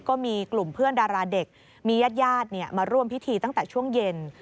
ก็มีกลุ่มเพื่อนดาราเด็กมีญาติญาติมาร่วมพิธีตั้งแต่ช่วงเย็น